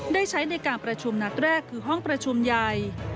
ได้ใช้ในการประชุมนัดแรกคือห้องประชุมใหญ่